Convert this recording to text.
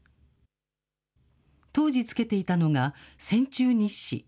当時つけていたのが、戦中日誌。